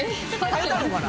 変えたのかな？